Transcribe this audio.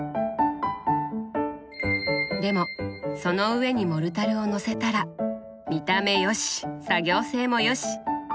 でもその上にモルタルをのせたら見た目良し作業性も良し！